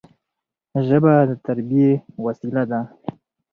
ژبه د تربيي وسیله ده.